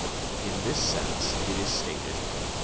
In this sense it is stated (QQ.